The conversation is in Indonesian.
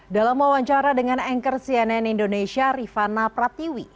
dalam wawancara dengan anchor cnn indonesia rifana pratiwi